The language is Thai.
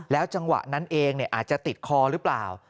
จังหวะนั้นเองอาจจะติดคอหรือเปล่า